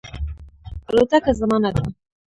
الوتکه زما نه ده